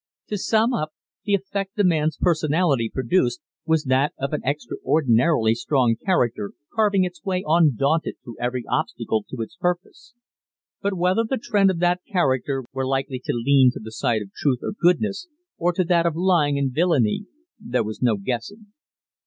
To sum up, the effect the man's personality produced was that of an extraordinarily strong character carving its way undaunted through every obstacle to its purpose; but whether the trend of that character were likely to lean to the side of truth and goodness, or to that of lying and villainy, there was no guessing.